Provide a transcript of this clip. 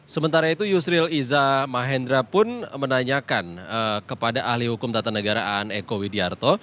sementara itu yusril ihza mahendra pun menanyakan kepada ahli hukum tata negara aan eko widyarto